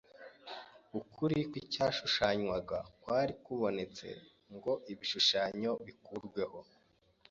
ukuri kw’icyashushanywaga kwari kubonetse ngo ibishushanyo bikurweho.